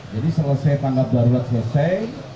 jadi selesai tanggap darurat selesai